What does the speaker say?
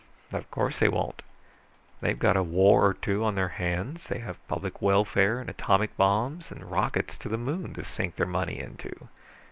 "Of course they won't. They've got a war or two on their hands, they have public welfare, and atomic bombs, and rockets to the moon to sink their money into."